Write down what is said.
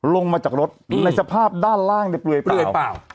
ลงมาจากรถในสภาพด้านล่างเนี่ยเปลือยเปล่า